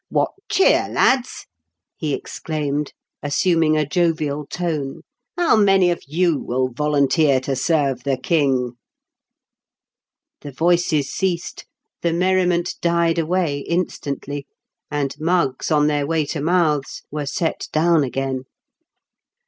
" What cheer, lads ?" he exclaimed, assum ing a jovial tone. "How many of you will volunteer to serve the King ?" The voices ceased, the merriment died away instantly, and mugs on their way to mouths were set down again.